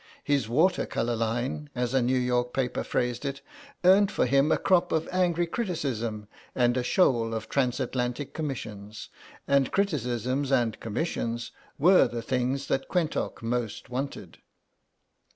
His "water colour line," as a New York paper phrased it, earned for him a crop of angry criticisms and a shoal of Transatlantic commissions, and criticism and commissions were the things that Quentock most wanted.